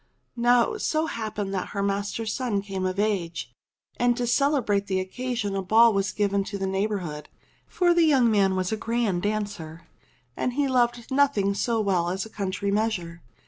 Now it so happened that her master's son came of age, and to celebrate the occasion a ball was given to the neigh bourhood, for the young man was a grand dancer, and loved nothing so well as a country measure.